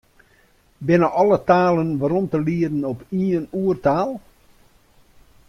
Binne alle talen werom te lieden op ien oertaal?